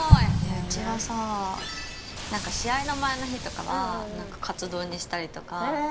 うちはさ、試合の前の日とかはさカツ丼にしたりとか。